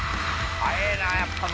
速えぇなやっぱ。